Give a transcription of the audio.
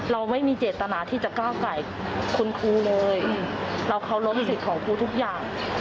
เราไม่มีเจตนาที่จะก้าวไก่คุณครูเลยเราเคารพสิทธิ์ของครูทุกอย่าง